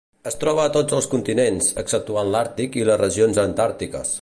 Es troben a tots els continents, exceptuant l'Àrtic i les regions Antàrtiques.